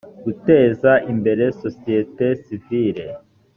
guteza imbere sosiyete sivile